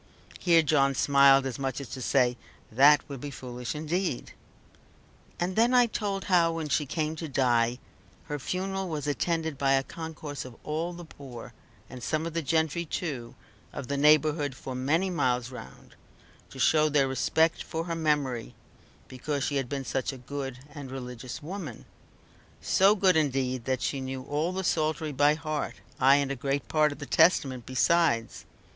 Here John smiled, as much as to say, "that would be foolish indeed." And then I told how, when she came to die, her funeral was attended by a concourse of all the poor, and some of the gentry too, of the neighbourhood for many miles round, to show their respect for her memory, because she had been such a good and religious woman; so good indeed that she knew all the Psaltery by heart, ay, and a great part of the Testament besides.